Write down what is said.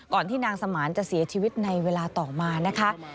ที่นางสมานจะเสียชีวิตในเวลาต่อมานะคะ